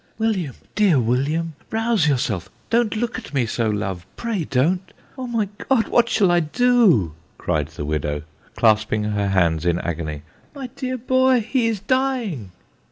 " William, dear William ! rouse yourself; don't look at me so, love T/te Dying Request. 35 pray don't ! Oh, my God ! what shall I do !" cried the widow, clasping her hands in agony " my dear boy ! he is dying